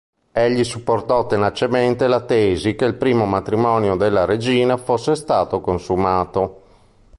Egli supportò tenacemente la tesi che il primo matrimonio della regina fosse stato consumato.